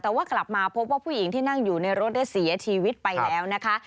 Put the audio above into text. แต่ว่ากลับมาพบว่าผู้หญิงที่นั่งอยู่ในรถได้เสียชีวิตไปแล้วนะคะ